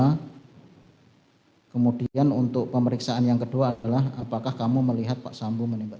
hai kemudian untuk pemeriksaan yang kedua adalah apakah kamu melihat pak sambung menembak